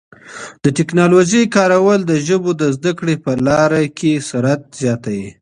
د ټکنالوژۍ کارول د ژبو د زده کړې په لاره کي سرعت زیاتوي.